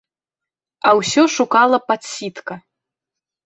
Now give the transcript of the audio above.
А ўсё шукала падсітка.